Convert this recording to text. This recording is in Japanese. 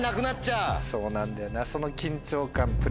そうなんだよなその。